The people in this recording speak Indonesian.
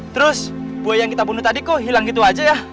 terus buaya yang kita bunuh tadi kok hilang gitu aja ya